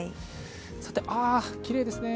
さて、きれいですね。